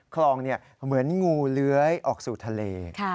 คลองเหมือนงูเลื้อยออกสู่ทะเล